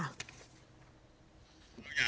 ถ้า